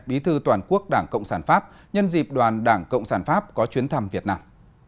bí thư toàn quốc đảng cộng sản pháp nhân dịp đoàn đảng cộng sản pháp có chuyến thăm việt nam